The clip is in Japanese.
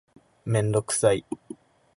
めんどくさい